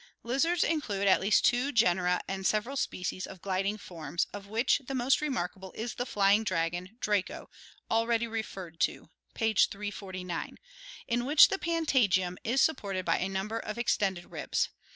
— Lizards include at hardlii (After Dumtril and Bibron, (ram |ea3t two genera and several species of gliding forms, of which the most remarkable is the flying dragon, Draco, already re ferred to (page 34Q, Fig. 76), in which the patagium is supported by a number of extended ribs.